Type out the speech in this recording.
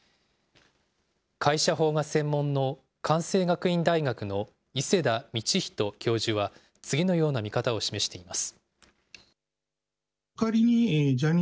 会社法が専門の関西学院大学の伊勢田道仁教授は、次のような見方を示しています。